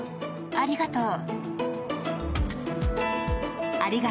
ありがとう。